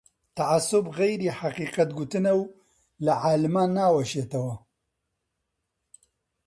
تەعەسسوب غەیری حەقیقەت گوتنە و لە عالمان ناوەشێتەوە